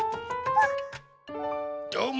どうも！